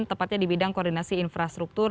tepatnya di bidang koordinasi infrastruktur